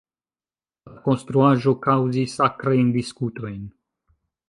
La konstruaĵo kaŭzis akrajn diskutojn.